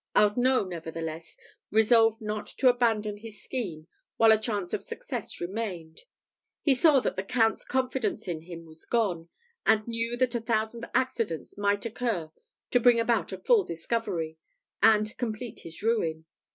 Arnault, nevertheless, resolved not to abandon his scheme while a chance of success remained. He saw that the Count's confidence in him was gone, and knew that a thousand accidents might occur to bring about a full discovery, and complete his ruin.